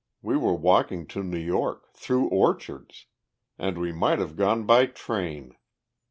We were walking to New York through orchards. And we might have gone by train!